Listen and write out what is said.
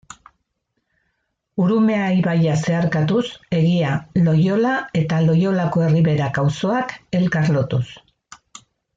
Urumea ibaia zeharkatuz, Egia, Loiola eta Loiolako Erriberak auzoak elkarlotuz.